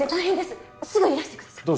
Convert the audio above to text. すぐいらしてください。